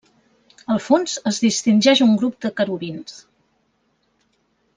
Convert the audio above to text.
Al fons es distingeix un grup de querubins.